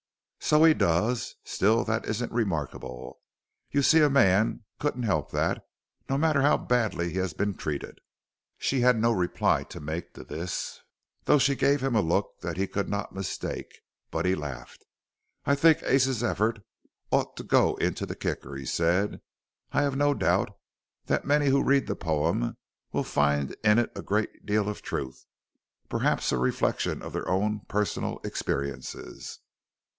"So he does. Still, that isn't remarkable. You see, a man couldn't help that no matter how badly he had been treated." She had no reply to make to this, though she gave him a look that he could not mistake. But he laughed. "I think Ace's effort ought to go into the Kicker" he said. "I have no doubt that many who read the poem will find in it a great deal of truth perhaps a reflection of their own personal experiences."